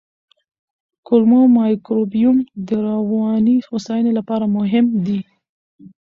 کولمو مایکروبیوم د رواني هوساینې لپاره مهم دی.